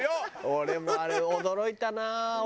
俺もあれ驚いたなあ。